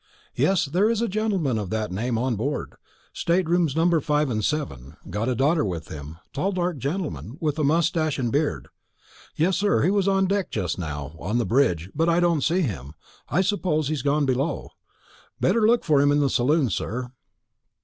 Yes, there is a gentleman of that name on board; state rooms number 5 and 7; got a daughter with him tall dark gentleman, with a moustache and beard. Yes, sir, he was on deck just now, on the bridge; but I don't see him, I suppose he's gone below. Better look for him in the saloon, sir."